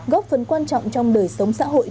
góp phần quan trọng trong đời sống xã hội